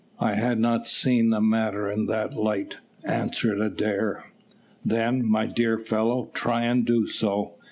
"I had not seen the matter in that light," answered Adair. "Then, my dear fellow, try and do so.